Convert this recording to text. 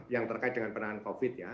yang terkait dengan penanganan covid ya